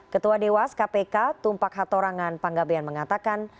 ketua dewas kpk tumpak hatorangan panggabean mengatakan